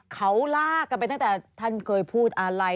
เขาลากกันไปตั้งแต่ท่านเคยพูดอะไร